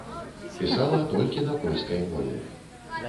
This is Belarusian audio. Пісала толькі на польскай мове.